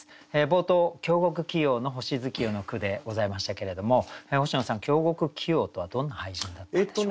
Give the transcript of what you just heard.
冒頭京極杞陽の「星月夜」の句でございましたけれども星野さん京極杞陽とはどんな俳人だったんでしょうか？